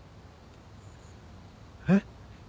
えっ？